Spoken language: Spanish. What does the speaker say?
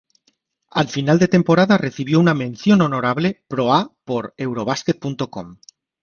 A final de temporada recibió una "mención honorable" Pro A por "Eurobasket.com".